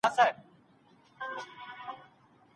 د املا تمرین د زده کوونکو د پاملرنې کچه لوړوي.